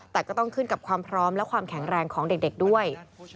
แต่ก็ต้องขึ้นกับความพร้อมและความแข็งแรงของเด็กด้วย